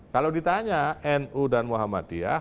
kalau ditanya nu dan muhammadiyah